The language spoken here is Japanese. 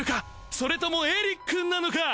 それともエリックなのか！？